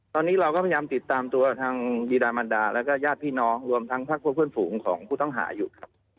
ตอนนี้เราก็พยายามติดตามตัวทางยีดามันดาแล้วก็ญาติพี่น้องรวมทั้งพักพวกเพื่อนฝูงของผู้ต้องหาอยู่ครับ